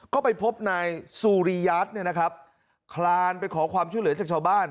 ก็ไปพบนายสุริยาทเนี่ยนะครับคลานไปขอความช่วยเหลือจากชาวบ้าน